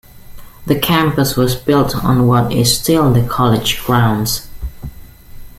The campus was built on what is still the college grounds.